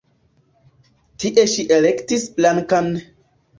Tie ŝi elektis Blankan.